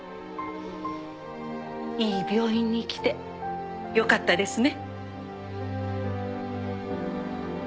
いい病院にきてよかったですね